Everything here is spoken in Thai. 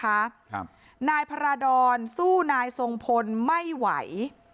ครับนายพระราดรสู้นายทรงพลไม่ไหว